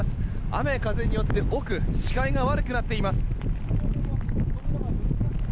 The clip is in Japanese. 雨風によって奥の視界が悪くなっています。